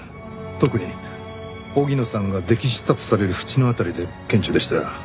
特に荻野さんが溺死したとされる淵の辺りで顕著でした。